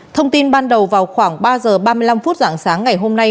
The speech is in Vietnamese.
thông tin ban đầu vào khoảng ba giờ ba mươi năm phút dạng sáng ngày hôm nay